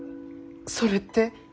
それって。